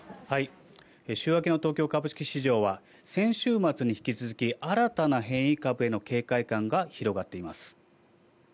週明けの東京株式市場は先週末に引き続き新たな変異株への警戒感が広がっています。